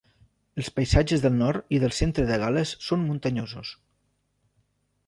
Els paisatges del nord i del centre de Gal·les són muntanyosos.